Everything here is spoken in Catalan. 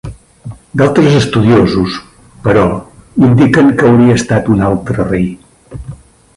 D'altres estudiosos, però, indiquen que hauria estat un altre rei.